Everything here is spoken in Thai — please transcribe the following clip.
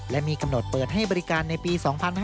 และมีกำหนดเปิดให้บริการในปี๒๕๕๙